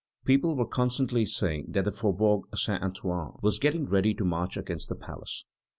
People were constantly saying that the Faubourg Saint Antoine was getting ready to march against the palace.